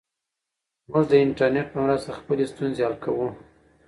موږ د انټرنیټ په مرسته خپلې ستونزې حل کوو.